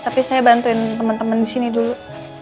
tapi saya bantuin teman teman disini dulu